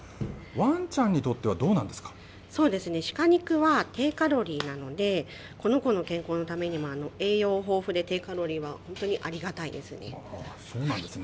ワンちゃんにとってはどうなんでそうですね、鹿肉は低カロリーなので、この子の健康のためにも、栄養豊富で低カロリーは、本そうなんですね。